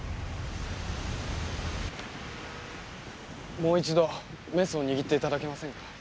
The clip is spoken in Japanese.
もう一度メスを握っていただけませんか？